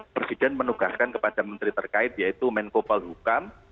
presiden menugaskan kepada menteri terkait yaitu menko polhukam